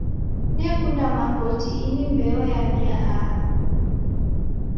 Nekunda makoti ini mbeo yabia aha.